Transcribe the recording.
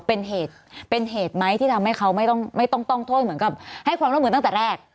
เป็นเหตุไหมที่ทำให้เขาไม่ต้องโทษเหมือนกับให้ความร่วมเหมือนตั้งแต่แรก